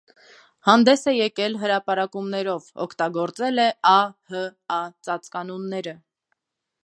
Հանդես է եկել հրապարակումներով, օգտագործել է Ա., Հ. Ա. ծածկանունները։